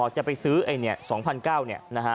จะไปซื้อไอเนี้ย๒๐๐๙เนี้ย